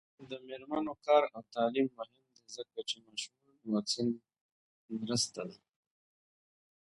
د میرمنو کار او تعلیم مهم دی ځکه چې ماشومانو واکسین مرسته ده.